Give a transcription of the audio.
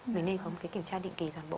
mình nên có một cái kiểm tra định kỳ toàn bộ